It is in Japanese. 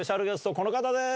この方です！